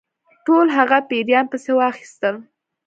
ټول هغه پیران پسي واخیستل.